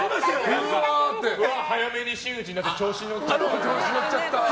早めに真打ちになって調子に乗ってるなって。